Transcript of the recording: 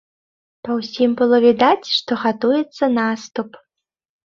Па ўсім было відаць, што гатуецца наступ.